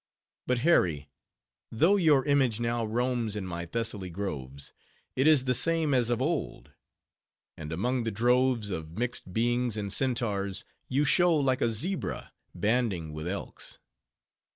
But Harry! though your image now roams in my Thessaly groves, it is the same as of old; and among the droves of mixed beings and centaurs, you show like a zebra, banding with elks.